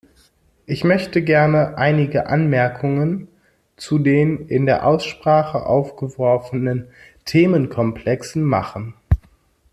Ich möchte gerne einige Anmerkungen zu den in der Aussprache aufgeworfenen Themenkomplexen machen.